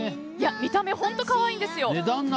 見た目、本当に可愛いんです。